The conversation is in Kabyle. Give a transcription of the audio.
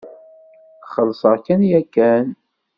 Xellseɣ-ken yakan.